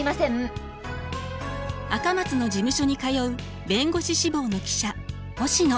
赤松の事務所に通う弁護士志望の記者星野。